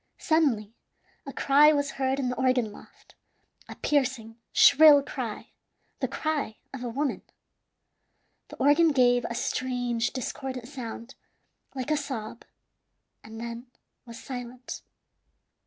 Suddenly a cry was heard in the organ loft a piercing, shrill cry, the cry of a woman. The organ gave a strange, discordant sound, like a sob, and then was silent.